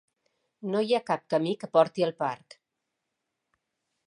No hi ha cap camí que porti al parc.